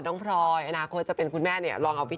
น้องพรอยก็อยนาคตจะเป็นคุณแม่เท่าไหร่